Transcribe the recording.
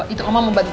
itu mama mau bantuin